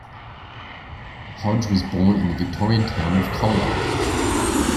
Hodge was born in the Victorian town of Colac.